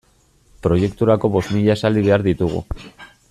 Proiekturako bost mila esaldi behar ditugu.